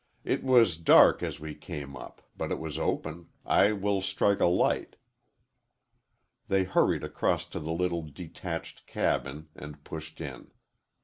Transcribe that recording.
It was dark as we came up, but it was open. I will strike a light." They hurried across to the little detached cabin and pushed in.